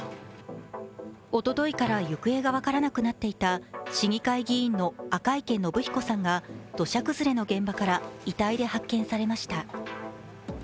おとといから行方が分からなくなっていた市議会議員の赤池伸彦さんが土砂崩れの現場から遺体で発見されました。